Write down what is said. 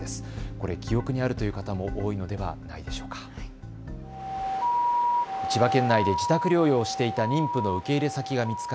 これ、記憶にあるという方も多いのではないでしょうか。